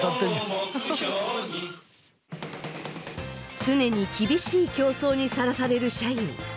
常に厳しい競争にさらされる社員。